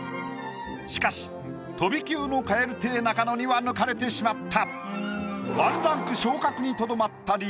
しかし飛び級の蛙亭中野には抜かれてしまった。